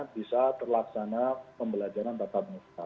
bisa terlaksana pembelajaran tatap muka